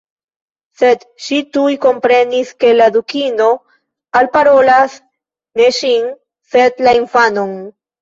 Sed ŝi tuj komprenis ke la Dukino alparolas ne ŝin sed la infanon.